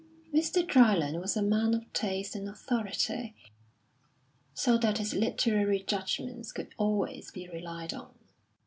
Mr. Dryland was a man of taste and authority, so that his literary judgments could always be relied on.